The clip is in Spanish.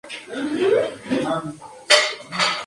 El río nace en los bosques nacionales de Tahoe y El Dorado.